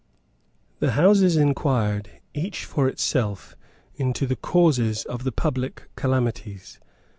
The Houses inquired, each for itself, into the causes of the public calamities.